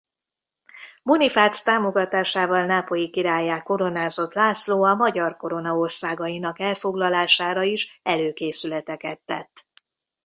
Bonifác támogatásával nápolyi királlyá koronázott László a magyar korona országainak elfoglalására is előkészületeket tett.